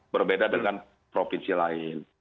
berbeda dengan provinsi lain